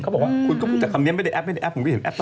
เขาบอกว่าคุณก็พูดจากคำนี้ไม่ได้แอบผมก็เห็นแอบตลอด